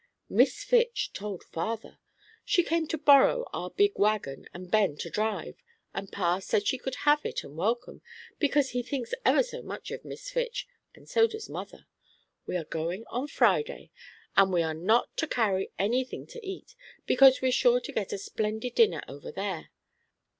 "Miss Fitch told father. She came to borrow our big wagon, and Ben to drive, and Pa said she could have it and welcome, because he thinks ever so much of Miss Fitch, and so does mother. We are going on Friday, and we are not to carry any thing to eat, because we're sure to get a splendid dinner over there.